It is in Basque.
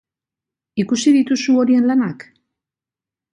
Ikusi dituzu horien lanak?